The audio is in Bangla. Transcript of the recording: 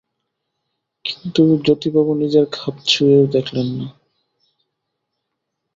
কিন্তু জ্যোতিবাবু নিজের কাপ ছুঁয়েও দেখলেন না।